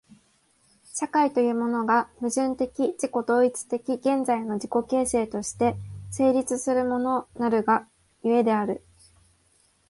社会というものが、矛盾的自己同一的現在の自己形成として成立するものなるが故である。